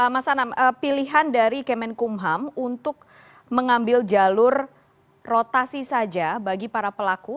mas anam pilihan dari kemenkumham untuk mengambil jalur rotasi saja bagi para pelaku